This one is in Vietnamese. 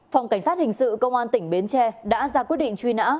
phòng cảnh sát hình sự công an tỉnh bến tre đã ra quyết định truy nã